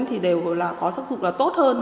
thì đều là có sức dụng là tốt hơn